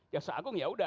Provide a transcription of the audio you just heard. ya seagung ya udah